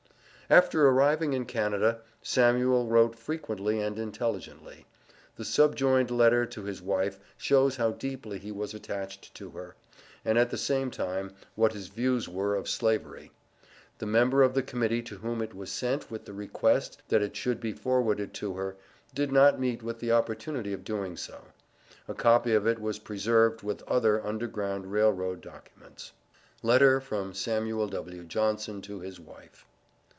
After arriving in Canada, Samuel wrote frequently and intelligently. The subjoined letter to his wife shows how deeply he was attached to her, and, at the same time, what his views were of Slavery. The member of the Committee to whom it was sent with the request, that it should be forwarded to her, did not meet with the opportunity of doing so. A copy of it was preserved with other Underground Rail Road documents. LETTER FROM SAMUEL W. JOHNSON TO HIS WIFE.